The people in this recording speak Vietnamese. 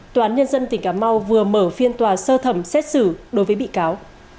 tòa án nhân dân tỉnh cà mau vừa mở phiên tòa sơ thẩm xét xử đối với bị cáo